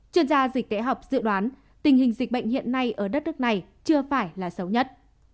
chuyên gia dịch tễ học dự đoán tình hình dịch bệnh hiện nay ở đất nước này chưa phải là xấu nhất